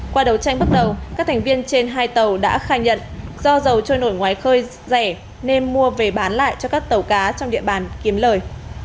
qua đấu tranh bước đầu các thành viên trên hai tàu đã khai nhận do dầu trôi nổi ngoài khơi rẻ nên mua về bán lại cho các tàu cá trong địa bàn kiếm lời